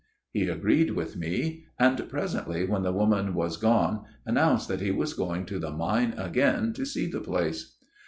" He agreed with me ; and presently when the woman was gone announced that he was going to the mine again to see the place.